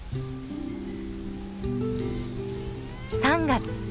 ３月。